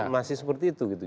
masih seperti itu